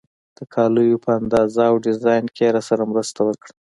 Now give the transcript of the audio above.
د کالیو په اندازه او ډیزاین کې یې راسره مرسته وکړه.